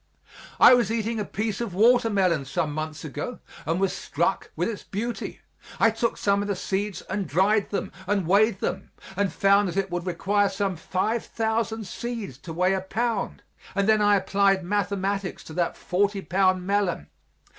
I was eating a piece of watermelon some months ago and was struck with its beauty. I took some of the seeds and dried them and weighed them, and found that it would require some five thousand seeds to weigh a pound; and then I applied mathematics to that forty pound melon.